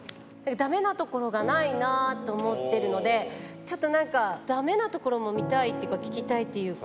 ダメなところがないなと思ってるのでちょっとなんかダメなところも見たいっていうか聞きたいっていうか。